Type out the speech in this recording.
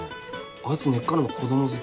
あいつ根っからの子供好きです。